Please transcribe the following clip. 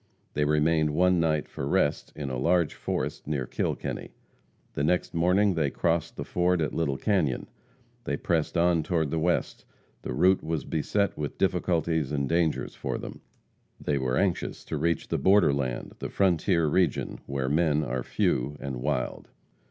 They remained one night for rest in a large forest near Kilkenny. The next morning they crossed the ford at Little Canyon. They pressed on toward the west. The route was beset with difficulties and dangers for them. They were anxious to reach the borderland, the frontier region, where men are few and wild.